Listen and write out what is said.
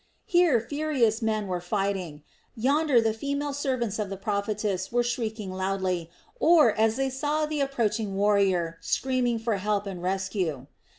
Here furious men were fighting, yonder the female servants of the prophetess were shrieking loudly or, as they saw the approaching warrior, screaming for help and rescue.